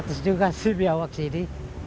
satu juga sih biawak di sini